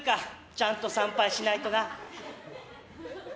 ちゃんと参拝しないとな。